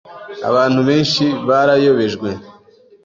Abantu benshi barayobejwe,